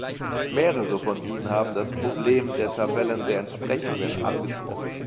Mehrere von Ihnen haben das Problem der Tabellen der Entsprechungen angesprochen.